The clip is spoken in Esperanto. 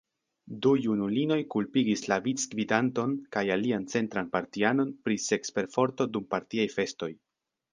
Du junulinoj kulpigis la vicgvidanton kaj alian centran partianon pri seksperforto dum partiaj festoj.